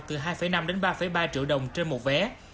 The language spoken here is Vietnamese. từ hai năm đến ba ba triệu đồng trên một vé